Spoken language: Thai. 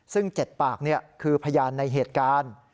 ซึ่ง๗ปากคือพยานในเหตุการณ์